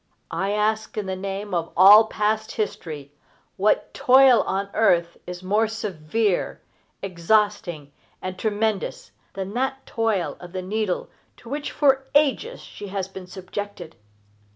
I ask, in the name of all past history, what toil on earth is more severe, exhausting, and tremendous than that toil of the needle to which for ages she has been subjected?